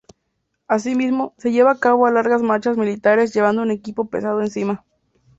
Asimismo se llevan a cabo largas marchas militares llevando un equipo pesado encima.